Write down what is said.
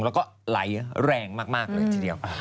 แล้วก็ไหลแรงมากเลยทีเดียว